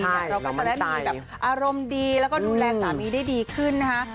เราก็จะได้มีแบบอารมณ์ดีแล้วก็ดูแลสามีได้ดีขึ้นนะคะ